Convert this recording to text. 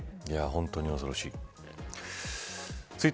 本当に恐ろしい。